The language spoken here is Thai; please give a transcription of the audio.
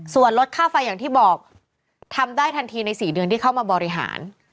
ส่วนลดค่าไฟอย่างที่บอกทำได้ทันทีใน๔เดือนที่เข้ามาบริหาร